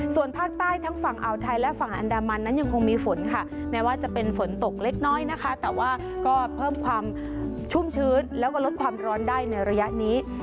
ส่วนภาคใต้ทั้งฝั่งอ่าวไทยและฝั่งอันดามันนั้นยังคงมีฝนค่ะแม้ว่าจะเป็นฝนตกเล็กน้อยนะคะแต่ว่าก็เพิ่มความชุ่มชื้นแล้วก็ลดความร้อนได้ในระยะนี้